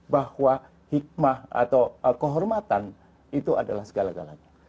bahwa hikmah atau kehormatan itu adalah segala galanya